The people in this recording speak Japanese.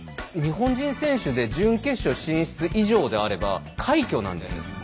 日本人選手で準決勝進出以上であれば快挙なんですよ。